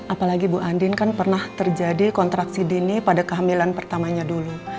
apalagi bu andin kan pernah terjadi kontraksi dini pada kehamilan pertamanya dulu